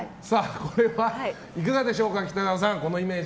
これは、いかがでしょうか北川さん、このイメージ。